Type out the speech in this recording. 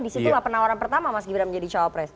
disitulah penawaran pertama mas gibran menjadi cowok pres